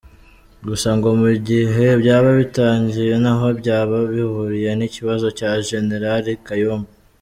Gusa ngo mu gihe byaba bitangiye ntaho byaba bihuriye n'ikibazo cya Jenerali Kayumba.